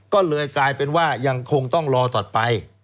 ก็เลยกลายเป็นว่ายังคงต้องรอต่อไป